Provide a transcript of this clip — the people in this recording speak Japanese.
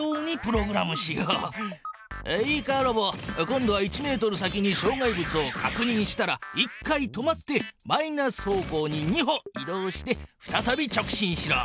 今度は１ｍ先にしょう害物をかくにんしたら１回止まってマイナス方向に２歩い動してふたたび直進しろ。